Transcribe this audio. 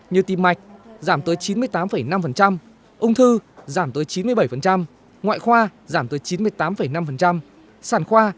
như tim mạch giảm tới chín mươi tám năm ung thư giảm tới chín mươi bảy ngoại khoa giảm tới chín mươi tám năm sản khoa